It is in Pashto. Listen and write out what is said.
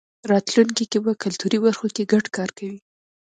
راتلونکی کې به کلتوري برخو کې ګډ کار کوی.